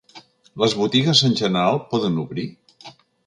Les botigues en general poden obrir?